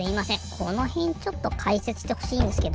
このへんちょっとかいせつしてほしいんですけど。